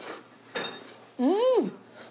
うん！